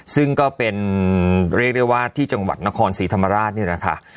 ซึ่งก็เป็นเรียกได้ว่าที่จังหวัดนครศรีธรรมราชนี่แหละค่ะ